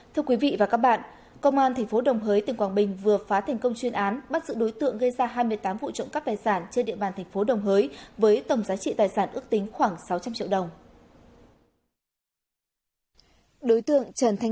thưa quý vị và các bạn công an tp đồng hới tp quảng bình vừa phá thành công chuyên án bắt giữ đối tượng gây ra hai mươi tám vụ trộm cắp tài sản trên địa bàn tp đồng hới với tầm giá trị tài sản ước tính khoảng sáu trăm linh triệu đồng